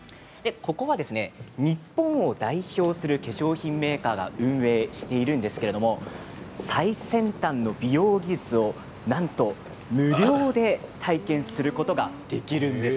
日本を代表する化粧品メーカーが運営しているんですけれど最先端の美容術をなんと無料で体験することができるんです。